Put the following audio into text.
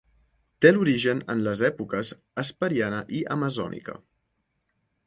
Té l'origen en les èpoques hesperiana i amazònica.